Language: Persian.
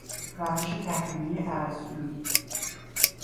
روش تحلیل ارسطویی